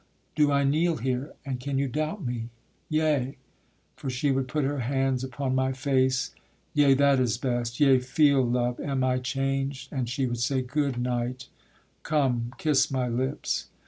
Do I kneel here, and can you doubt me? Yea: For she would put her hands upon my face: Yea, that is best, yea feel, love, am I changed? And she would say: Good knight, come, kiss my lips!